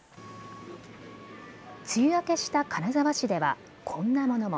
梅雨明けした金沢市ではこんなものも。